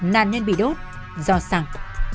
nạn nhân bị đốt do sàng